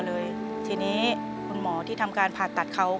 เปลี่ยนเพลงเพลงเก่งของคุณและข้ามผิดได้๑คำ